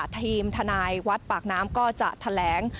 ทีมทนายวัดปากน้ำก็จะแถลง